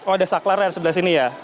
oh ada saklar sebelah sini ya